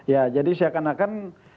ya jadi seakan akan